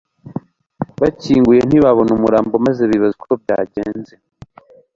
bakinguye, ntibabona umurambo maze bibaza uko byagenze